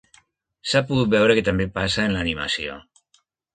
S’ha pogut veure que també passa en l’animació.